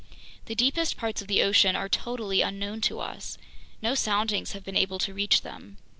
"The deepest parts of the ocean are totally unknown to us. No soundings have been able to reach them.